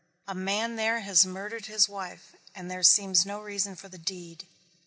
A man there has murdered his wife and there seems no reason for the deed.